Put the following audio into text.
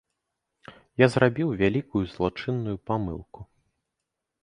Я зрабіў вялікую злачынную памылку.